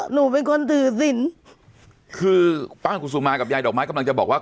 หนูเป็นคนถือศิลป์คือป้ากุศุมากับยายดอกไม้กำลังจะบอกว่า